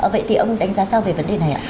vậy thì ông đánh giá sao về vấn đề này ạ